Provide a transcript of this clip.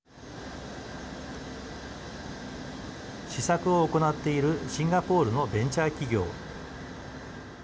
試作を行っているシンガポールのベンチャー企業。